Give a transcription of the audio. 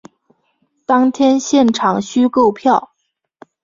当天现场须购票